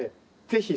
ぜひ。